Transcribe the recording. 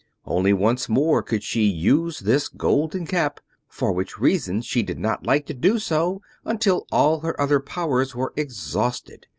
Only once more could she use this Golden Cap, for which reason she did not like to do so until all her other powers were exhausted.